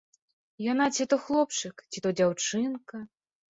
Яна ці то хлопчык, ці то дзяўчынка.